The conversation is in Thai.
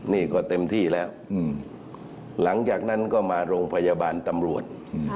นี่ก็เต็มที่แล้วหลังจากนั้นก็มาโรงพยาบาลตำรวจ